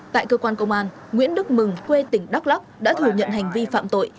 tại cơ quan công an nguyễn đức mừng quê tỉnh đắk lắc đã thừa nhận hành vi phạm tội